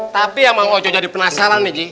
tapi yang bang ojo jadi penasaran ji